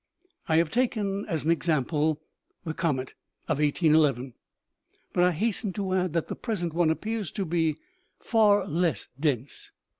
u I have taken as an example the comet of 1811 ; but I hasten to add that the present one appears to be far less dense."